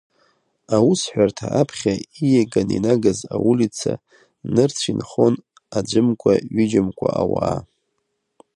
Аусҳәарҭа аԥхьа ииаганы инагаз аулица нырцә инхон аӡәымкәа-ҩыџьамкәа ауаа.